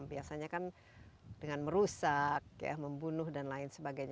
biasanya kan dengan merusak membunuh dan lain sebagainya